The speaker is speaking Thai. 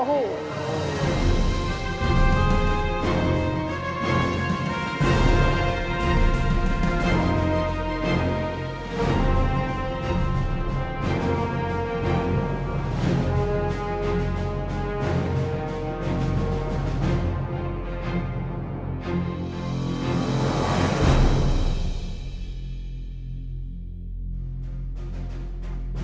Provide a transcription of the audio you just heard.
สวัสดีครับ